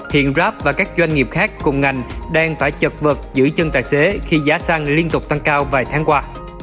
hiện grab và các doanh nghiệp khác cùng ngành đang phải chật vật giữ chân tài xế khi giá xăng liên tục tăng cao vài tháng qua